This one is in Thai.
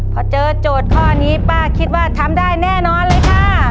พอเจอโจทย์ข้อนี้ป้าคิดว่าทำได้แน่นอนเลยค่ะ